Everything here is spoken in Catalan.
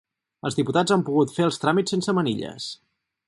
Els diputats han pogut fer els tràmits sense manilles.